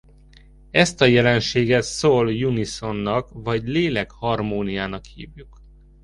Ezt a jelenséget Soul Unison-nak vagy Lélek Harmóniának hívjuk.